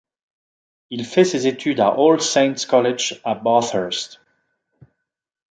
Il fait ses études à All Saints College à Bathurst.